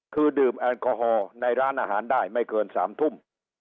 คือดื่มแอลกอฮอล์ในร้านอาหารได้ไม่เกิน๓ทุ่ม